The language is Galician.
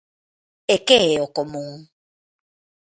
E que é o común?